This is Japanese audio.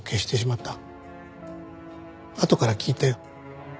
あとから聞いたよ